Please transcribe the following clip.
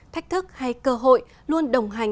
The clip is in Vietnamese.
thách thức hay cơ hội luôn đồng hành